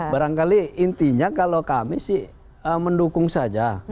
barangkali intinya kalau kami sih mendukung saja